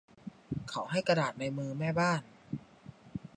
เขาให้กระดาษในมือแม่บ้าน